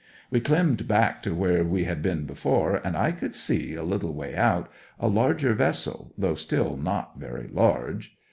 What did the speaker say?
We climmed back to where we had been before, and I could see, a little way out, a larger vessel, though still not very large.